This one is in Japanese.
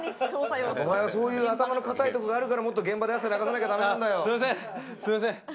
おまえはそういう頭の固いところがあるから、現場で汗流さないと駄目なんだよ。